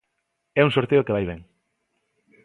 É un sorteo que vai ben.